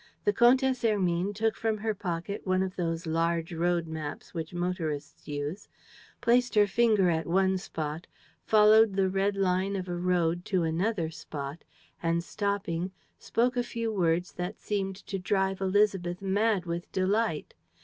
The Comtesse Hermine took from her pocket one of those large road maps which motorists use, placed her finger at one spot, followed the red line of a road to another spot and, stopping, spoke a few words that seemed to drive Élisabeth mad with delight.